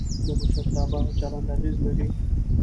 د مشرتابه چلند اغېز لري